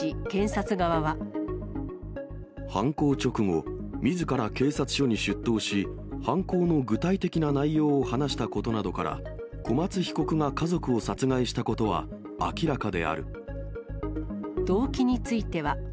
犯行直後、みずから警察署に出頭し、犯行の具体的な内容を話したことなどから、小松被告が家族を殺害動機については。